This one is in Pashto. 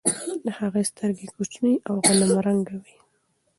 د هغې سترګې کوچنۍ او غنم رنګه وه.